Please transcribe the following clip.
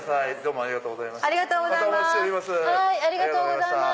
ありがとうございます。